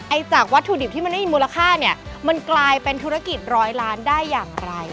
จากวัตถุดิบที่มันไม่มีมูลค่าเนี่ยมันกลายเป็นธุรกิจร้อยล้านได้อย่างไร